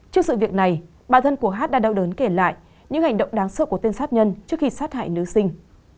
trước sự việc này bà thân của hát đã đau đớn kể lại những hành động đáng sợ của tên sát nhân trước khi sát hại nữ sinh